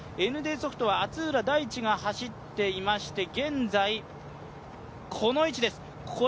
ＮＤソフトは厚浦大地が走っていまして現在この位置です。